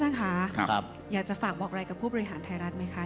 ท่านค่ะอยากจะฝากบอกอะไรกับผู้บริหารไทยรัฐไหมคะ